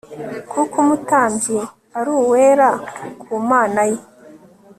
kuko umutambyi ari uwera ku mana ye